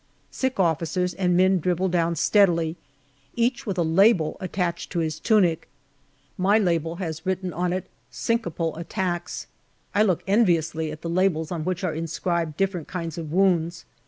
Sick officers and men dribble down steadily, each with a label attached to his tunic ; my label has written on it " Syncopal attacks." I look enviously at the labels on which are inscribed different kinds of wounds.